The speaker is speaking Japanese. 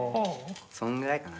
そんぐらいかな？